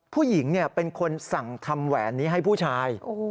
ผู้หญิงเป็นคนสั่งทำแหวนนี้ให้ผู้ชาย